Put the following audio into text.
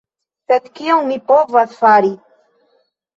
Sed kion mi povas fari?